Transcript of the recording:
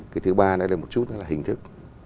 cái thứ ba đây là một chút là hình thức